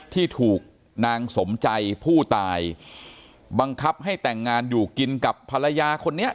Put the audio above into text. ที่ถูกนางสมใจผู้ตายบังคับให้แต่งงานอยู่กินกับภรรยาคนนี้